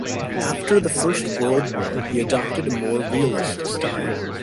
After the First World War he adopted a more realist style.